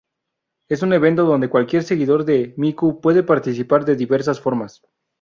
Es un evento donde cualquier seguidor de Miku puede participar de diversas formas.